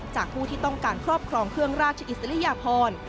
ผู้ที่ต้องการครอบครองเครื่องราชอิสริยพร